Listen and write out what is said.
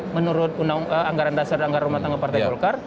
menurut anggaran dasar dan anggaran rumah tangga partai golkar